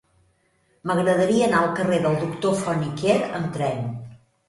M'agradaria anar al carrer del Doctor Font i Quer amb tren.